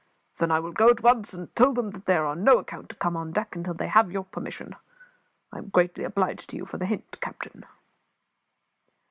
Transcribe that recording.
"Then I will go at once and tell them that they are on no account to come on deck until they have your permission. I am greatly obliged to you for the hint, captain."